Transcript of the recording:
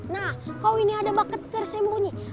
nah kau ini ada baket tersembunyi